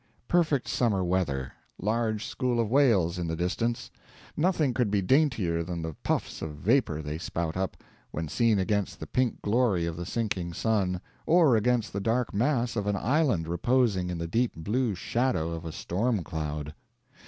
Perfect summer weather. Large school of whales in the distance. Nothing could be daintier than the puffs of vapor they spout up, when seen against the pink glory of the sinking sun, or against the dark mass of an island reposing in the deep blue shadow of a storm cloud